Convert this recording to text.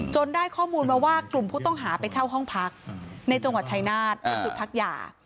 ได้ข้อมูลมาว่ากลุ่มผู้ต้องหาไปเช่าห้องพักในจังหวัดชายนาฏเป็นจุดพักยา